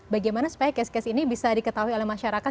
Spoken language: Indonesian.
bagaimana supaya kes kes ini bisa diketahui oleh masyarakat